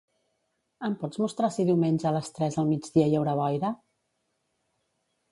Em pots mostrar si diumenge a les tres al migdia hi haurà boira?